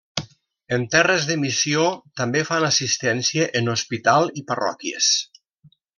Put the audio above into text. En terres de missió també fan assistència en hospital i parròquies.